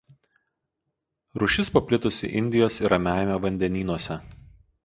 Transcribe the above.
Rūšis paplitusi Indijos ir Ramiajame vandenynuose.